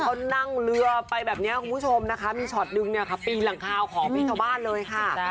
เขานั่งเรือไปแบบนี้คุณผู้ชมนะคะมีช็อตนึงเนี่ยค่ะปีนหลังคาของพี่ชาวบ้านเลยค่ะ